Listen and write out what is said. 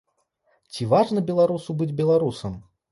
Ці важна беларусу быць беларусам?